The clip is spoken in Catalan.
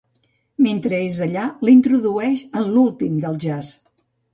Mentre és allà, l’introdueix en l'últim del jazz.